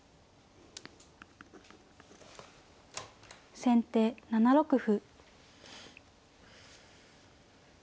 先手７六歩。